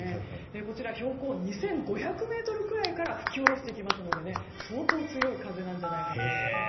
こちら標高２５００ｍくらいから吹き下ろしてきますので相当強い風だと思います。